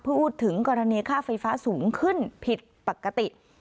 พูดถึงกรณีค่าไฟฟ้าสูงขึ้นผิดปกติ